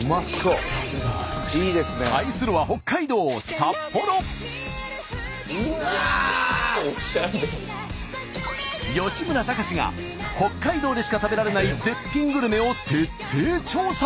対するは吉村崇が北海道でしか食べられない絶品グルメを徹底調査。